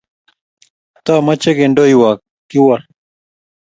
Tomoche kendoiwa, kiwol